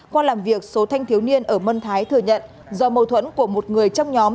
qua làm việc số thanh thiếu niên ở mân thái thừa nhận do mâu thuẫn của một người trong nhóm